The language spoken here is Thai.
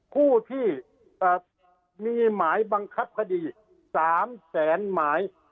ผู้ที่มีหมายบังคับคดี๓แสนหมาย